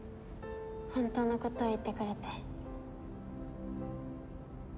本当のことを言ってくれて。